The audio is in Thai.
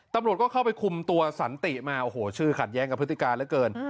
ตำรวจก็เข้าไปคุมตัวสันติมาโอ้โหชื่อขัดแย้งกับพฤติการเหลือเกิน